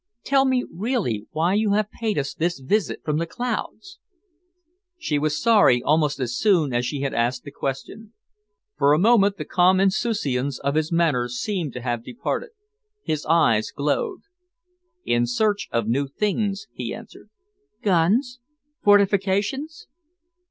Tell me really why you have paid us this visit from the clouds?" She was sorry almost as soon as she had asked the question. For a moment the calm insouciance of his manner seemed to have departed. His eyes glowed. "In search of new things," he answered. "Guns? Fortifications?"